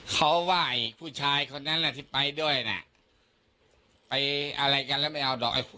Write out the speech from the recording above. เขาว่าไอ้ผู้ชายคนนั้นที่ไปด้วยน่ะไปอะไรกันแล้วไม่เอาดอก